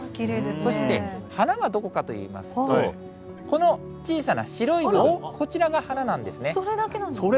そして花はどこかといいますと、この小さな白い部分、それだけなんですか？